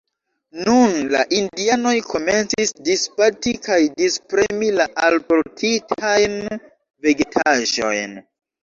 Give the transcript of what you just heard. Nun la indianoj komencis disbati kaj dispremi la alportitajn vegetaĵojn.